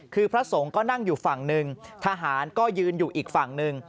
คือพระสงฆ์ก็นั่งอยู่ฝั่งหนึ่งทหารก็ยืนอยู่อีกฝั่งหนึ่ง